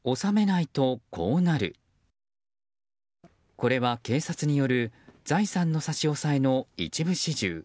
これは警察による財産の差し押さえの一部始終。